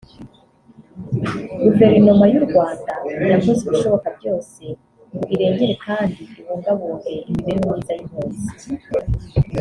Guverinoma y’u Rwanda yakoze ibishoboka byose ngo irengere kandi ibungabunge imibereho myiza y’impunzi